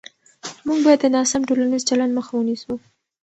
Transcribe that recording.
موږ باید د ناسم ټولنیز چلند مخه ونیسو.